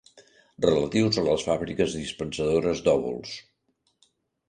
Relatius a les fàbriques dispensadores d'òvuls.